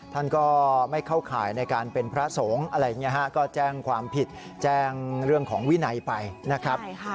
ท่านก็ไม่เข้าข่ายในการเป็นพระสงฆ์อะไรอย่างนี้ฮะก็แจ้งความผิดแจ้งเรื่องของวินัยไปนะครับ